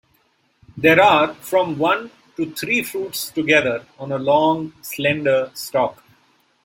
There are from one to three fruits together on a long slender stalk.